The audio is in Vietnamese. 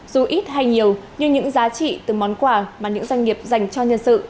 dù ít hay nhiều nhưng những giá trị từ món quà mà những doanh nghiệp dành cho nhân sự